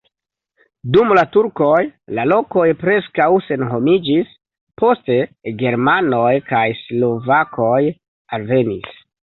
Dum la turkoj la lokoj preskaŭ senhomiĝis, poste germanoj kaj slovakoj alvenis.